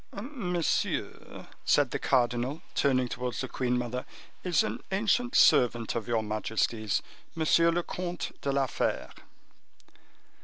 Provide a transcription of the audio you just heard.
"Monsieur," said the cardinal, turning towards the queen mother, "is an ancient servant of your majesty's, Monsieur le Comte de la Fere."